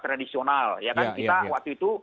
tradisional ya kan kita waktu itu